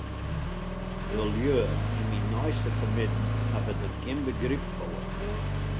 De lju yn myn neiste fermidden hawwe dêr gjin begryp foar.